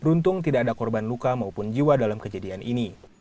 beruntung tidak ada korban luka maupun jiwa dalam kejadian ini